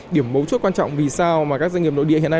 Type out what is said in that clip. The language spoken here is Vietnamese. điểm mấu chốt quan trọng vì sao mà các doanh nghiệp nội địa hiện nay